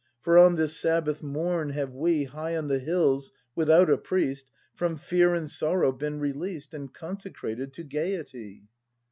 For on this Sabbath morn have we. High on the hills, without a priest, From fear and sorrow been released And consecrated to gaiety.